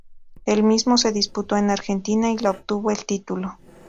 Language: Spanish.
El mismo se disputó en Argentina y la obtuvo el título.